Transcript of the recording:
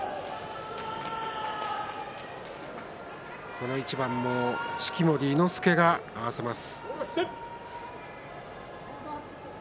この一番も式守伊之助が合わせます。